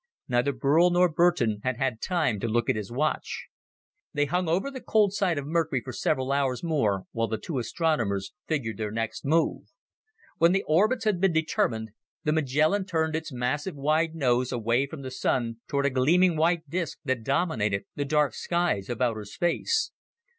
Neither Burl nor Boulton had had time to look at his watch. They hung over the cold side of Mercury for several hours more while the two astronomers figured their next move. When the orbits had been determined, the Magellan turned its massive wide nose away from the Sun toward a gleaming white disc that dominated the dark skies of outer space.